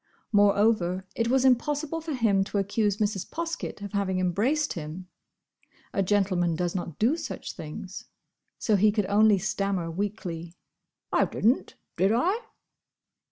Moreover, it was impossible for him to accuse Mrs. Poskett of having embraced him. A gentleman does not do such things. So he could only stammer weakly, "I didn't, did I?"